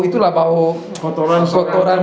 itulah bau kotoran